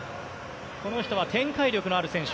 この人は展開力のある選手。